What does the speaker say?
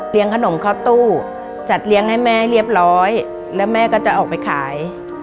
ขนมเข้าตู้จัดเลี้ยงให้แม่เรียบร้อยแล้วแม่ก็จะออกไปขาย